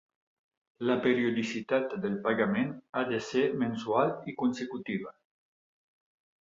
La periodicitat del pagament ha de ser mensual i consecutiva.